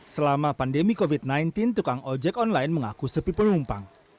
selama pandemi covid sembilan belas tukang ojek online mengaku sepi penumpang